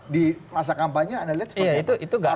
di masa kampanye anda lihat seperti itu